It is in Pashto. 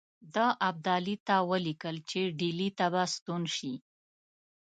ده ابدالي ته ولیکل چې ډهلي ته به ستون شي.